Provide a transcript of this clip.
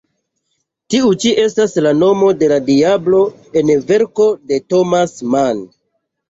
Tiu ĉi estas la nomo de la diablo en verko de Thomas Mann.